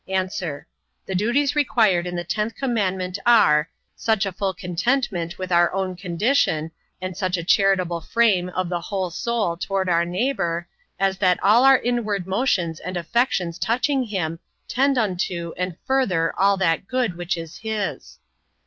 A. The duties required in the tenth commandment are, such a full contentment with our own condition, and such a charitable frame of the whole soul toward our neighbor, as that all our inward motions and affections touching him, tend unto, and further all that good which is his.